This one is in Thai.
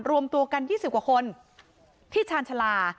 รวมตัวกัน๒๐กว่าคนที่ชาญชาลา